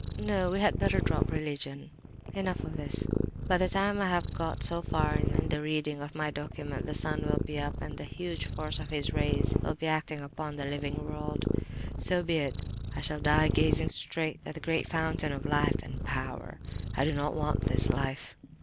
No, we had better drop religion. "And enough of this. By the time I have got so far in the reading of my document the sun will be up and the huge force of his rays will be acting upon the living world. So be it. I shall die gazing straight at the great Fountain of life and power; I do not want this life!